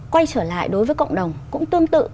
quay trở lại đối với cộng đồng cũng tương tự